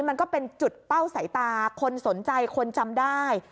มันก็เป็นจุดเป้าสายตาคนสนใจคนจำได้